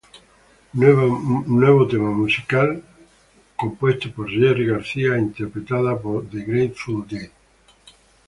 Nuevo tema musical fue compuesta por Jerry Garcia e interpretada por The Grateful Dead.